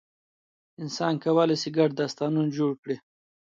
انسان کولی شي ګډ داستانونه جوړ کړي.